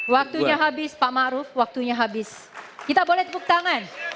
waktunya habis pak maruf waktunya habis kita boleh tepuk tangan